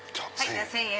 １０００円